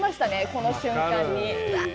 この瞬間に。